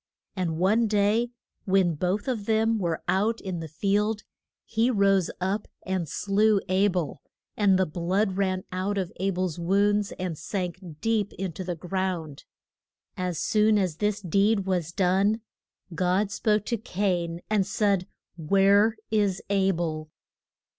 And one day when both of them were out in the field he rose up and slew A bel, and the blood ran out of A bel's wounds and sank deep in the ground. As soon as this deed was done, God spoke to Cain, and said: Where is A bel?